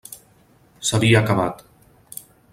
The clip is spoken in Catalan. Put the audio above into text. S'havia acabat.